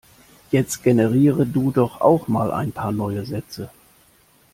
Jetzt generiere du doch auch mal ein paar neue Sätze.